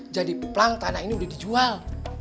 jadi plank tanah ini udah dijual